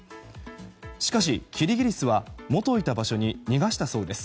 しかし、キリギリスは元いた場所に逃がしたそうです。